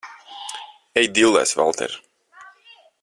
Ej dillēs, Valter!